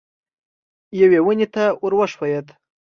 یوې ونې ته ور وښوېد.